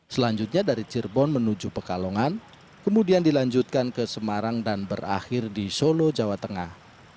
selanjutnya dari cirebon menuju pekalongan kemudian dilanjutkan ke semarang dan berakhir di solo jawa tengah